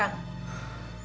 terima kasih pak